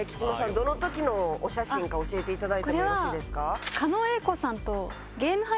どの時のお写真か教えていただいてもいいですか？